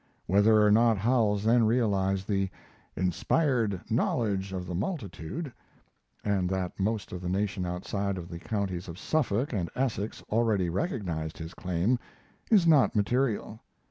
Whether or not Howells then realized the "inspired knowledge of the multitude," and that most of the nation outside of the counties of Suffolk and Essex already recognized his claim, is not material.